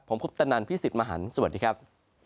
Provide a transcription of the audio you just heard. ผมพุทธนันทร์พี่สิทธิ์มหันต์สวัสดีครับ